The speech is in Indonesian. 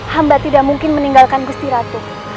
hamba tidak mungkin meninggalkan gusti ratu